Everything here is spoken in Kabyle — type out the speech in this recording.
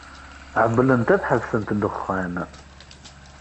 Ɛewwlent ad ḥebsent ddexxan.